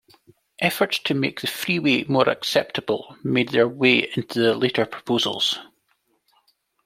Efforts to make the freeway more acceptable made their way into the later proposals.